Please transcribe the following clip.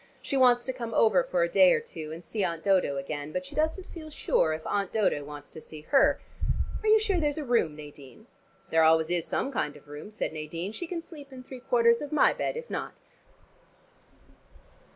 "She wants to come over for a day or two, and see Aunt Dodo again, but she doesn't feel sure if Aunt Dodo wants to see her. Are you sure there's a room, Nadine?" "There always is some kind of room," said Nadine. "She can sleep in three quarters of my bed, if not."